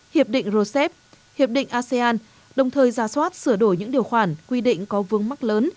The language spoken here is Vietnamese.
hiệp định rcep hiệp định asean đồng thời ra soát sửa đổi những điều khoản quy định có vướng mắc lớn